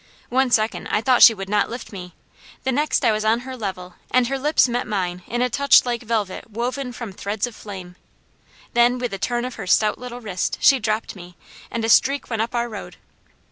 One second I thought she would not lift me, the next I was on her level and her lips met mine in a touch like velvet woven from threads of flame. Then with a turn of her stout little wrist, she dropped me, and a streak went up our road.